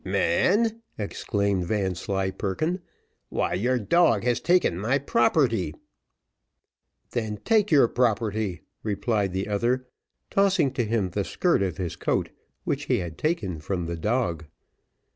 "Man!" exclaimed Vanslyperken; "why your dog has taken my property!" "Then take your property," replied the other, tossing to him the skirt of his coat, which he had taken from the dog.